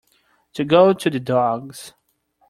To go to the dogs.